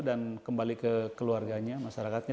dan kembali ke keluarganya masyarakatnya